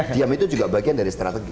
diam itu juga bagian dari strategi